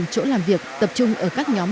tám mươi chỗ làm việc tập trung ở các nhóm